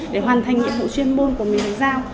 để hoàn thành nhiệm vụ chuyên môn của mình được giao